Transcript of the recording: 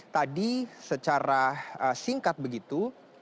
tadi secara singkat begitu